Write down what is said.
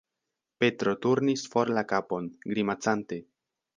Petro turnis for la kapon, grimacante.